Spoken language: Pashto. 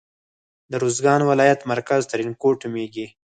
د روزګان ولایت مرکز ترینکوټ نومیږي.